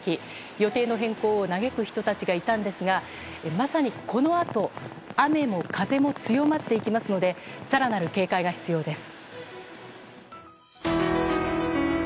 予定の変更を嘆く人たちがいたんですがまさにこのあと雨も風も強まっていきますので更なる警戒が必要です。